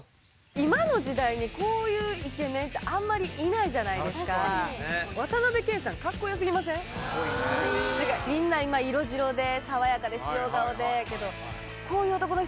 今の時代にこういうイケメンってあんまりいないじゃないですか何かみんな今色白で爽やかで塩顔でやけどこういう男の人